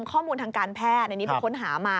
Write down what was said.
ข้อมูลทางการแพทย์เป็นคนหามา